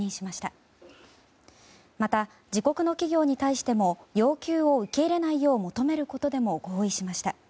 また、自国の企業に対しても要求を受け入れないよう求めることでも合意しました。